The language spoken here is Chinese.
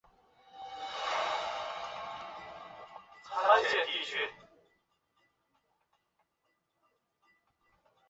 软件自身不带图形用户界面。